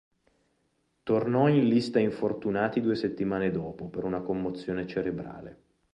Tornò in lista infortunati due settimane dopo per una commozione cerebrale.